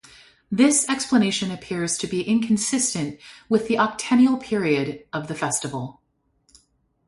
This explanation appears to be inconsistent with the octennial period of the festival.